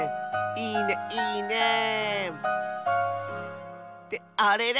いいねいいね。ってあれれ？